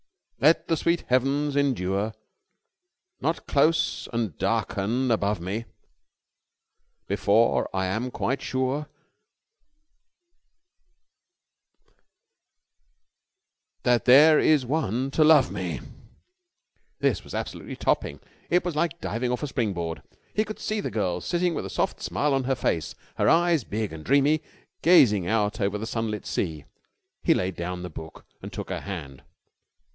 Let the sweet heavens endure, Not close and darken above me Before I am quite quite sure That there is one to love me....'" This was absolutely topping. It was like diving off a spring board. He could see the girl sitting with a soft smile on her face, her eyes, big and dreamy, gazing out over the sunlit sea. He laid down the book and took her hand.